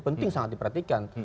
penting sangat diperhatikan